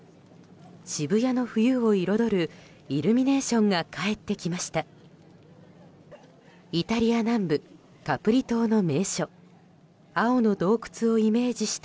渋谷の冬を彩るイルミネーションが帰ってきました。